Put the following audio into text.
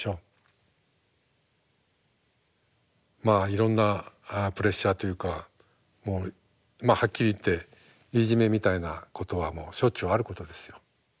まあいろんなプレッシャーというかもうまあはっきり言っていじめみたいなことはしょっちゅうあることですよ。